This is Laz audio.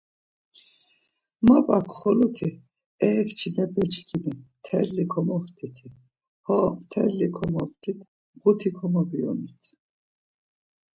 Mapak xoloti, E ǩinçepe çkimi, melli komoxtiti, Ho mteliti komoptit mğu ti komobiyonit.